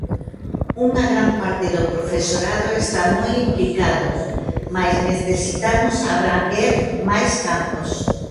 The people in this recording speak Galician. Unha gran parte do profesorado está moi implicado, mais necesitamos abranguer máis campos.